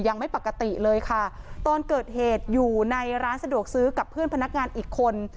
ยังไม่ปกติเลยค่ะตอนเกิดเหตุอยู่ในร้านสะดวกซื้อกับเพื่อนพนักงานอีกคน